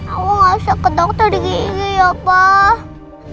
aku gak suka ke dokter gigi ya pak